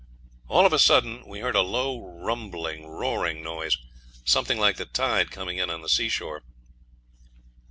All of a sudden we heard a low rumbling, roaring noise, something like the tide coming in on the seashore.